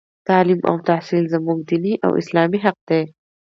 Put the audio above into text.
تـعلـيم او تحـصيل زمـوږ دينـي او اسـلامي حـق دى.